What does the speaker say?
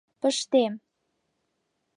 Пыштем!..